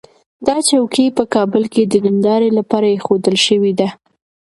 دا چوکۍ په کابل کې د نندارې لپاره اېښودل شوې ده.